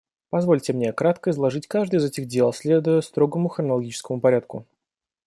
Позвольте мне кратко изложить каждое из этих дел, следуя строгому хронологическому порядку.